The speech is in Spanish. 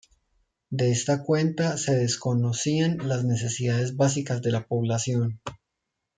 De esta cuenta, se desconocían las necesidades básicas de la población.